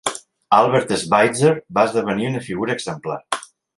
Albert Schweitzer va esdevenir una figura exemplar.